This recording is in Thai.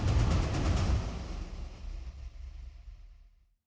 โดยสุภาพคลี่ขจายและภาคภูมิพันธ์สถิตย์ทางไทยรัฐทีวีช่อง๓๒